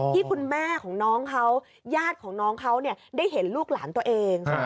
ที่คุณแม่ของน้องเขาญาติของน้องเขาได้เห็นลูกหลานตัวเอง